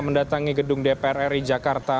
mendatangi gedung dpr ri jakarta